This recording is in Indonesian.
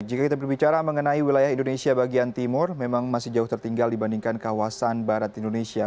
jika kita berbicara mengenai wilayah indonesia bagian timur memang masih jauh tertinggal dibandingkan kawasan barat indonesia